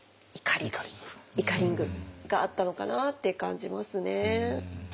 イカリングがあったのかなって感じますね。